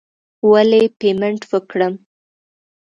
ولې پیمنټ وکړم.